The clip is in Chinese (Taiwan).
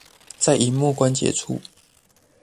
在螢幕關節處